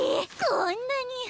こんなに。